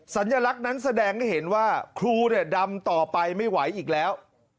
สัญลักษณ์นั้นแสดงให้เห็นว่าครูเนี่ยดำต่อไปไม่ไหวอีกแล้ว